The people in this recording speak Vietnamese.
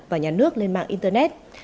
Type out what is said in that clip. và nhà nước lên mạng internet